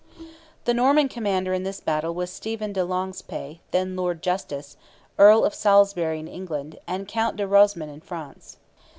The Norman commander in this battle was Stephen de Longespay, then Lord Justice, Earl of Salisbury in England, and Count de Rosman in France.